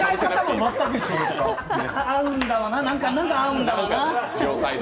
合うんだわな、何か合うんだわな。